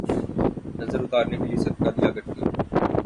نظر اتارنے کیلئے صدقہ دیا کرتی ہوں